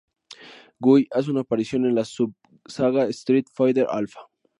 Guy hace una aparición en la sub-saga Street Fighter Alpha.